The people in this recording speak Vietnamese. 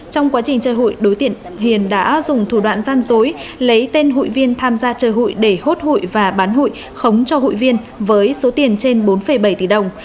trong quá trình chơi hội đối tiện hiền đã dùng thủ đoạn gian dối lấy tên hội viên tham gia chơi hội để hốt hội và bán hội khống cho hội viên với số tiền trên bốn bảy tỷ đồng